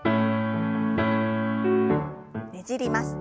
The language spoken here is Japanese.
ねじります。